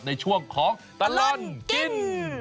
ในช่วงของตลอดกิน